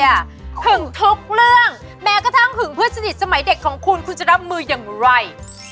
หึงทุกเรื่องแม้กระทั่งหึงเพื่อนสนิทสมัยเด็กของคุณคุณจะรับมืออย่างไร